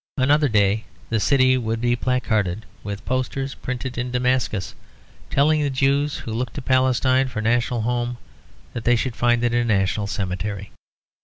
Another day the city would be placarded with posters printed in Damascus, telling the Jews who looked to Palestine for a national home that they should find it a national cemetery.